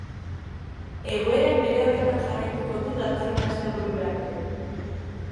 Egoerak bere horretan jarraituko du datorren asteburura arte.